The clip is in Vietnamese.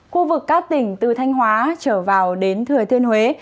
khu vực các tỉnh từ thanh hóa trở vào đến thừa thiên huế